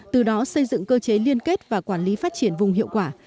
từ đó xây dựng cơ chế liên kết và quản lý phát triển vùng hiệu quả